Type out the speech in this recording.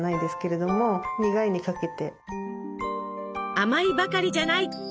甘いばかりじゃない！